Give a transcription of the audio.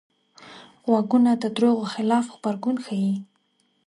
غوږونه د دروغو خلاف غبرګون ښيي